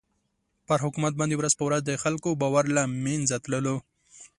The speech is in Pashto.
پر حکومت باندې ورځ په ورځ د خلکو باور له مېنځه تللو.